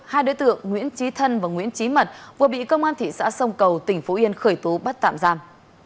hai đối tượng nguyễn trí thân và nguyễn trí mật vừa bị công an thị xã sông cầu tỉnh phú yên khởi tố bắt tạm giam